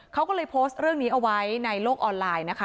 เขาก็เลยโพสต์เรื่องนี้เอาไว้ในโลกออนไลน์นะคะ